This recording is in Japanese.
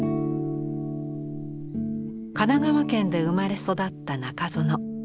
神奈川県で生まれ育った中園。